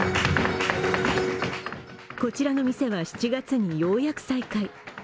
こちらの店は７月にようやく再開。